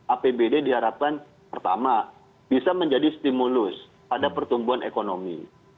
apbd diharapkan pertama bisa menjadi stimulus pada pertumbuhan ekonomi